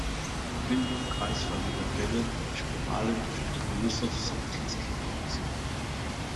Bildung kreisförmiger Wellen oder Spiralen durch eine Belousov-Zhabotinsky-Reaktion.